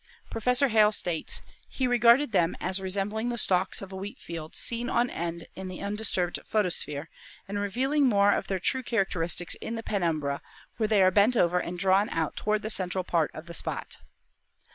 Professor Hale states: "He re garded them as resembling the stalks of a wheat field, seen on end in the undisturbed photosphere, and revealing more of their true characteristics in the penumbra, where they are bent over and drawn out toward the central part of the spot.